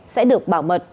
sẽ được bảo mật